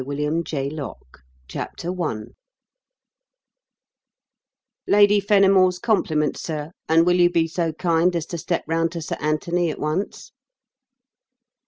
THE RED PLANET CHAPTER I "Lady Fenimore's compliments, sir, and will you be so kind as to step round to Sir Anthony at once?"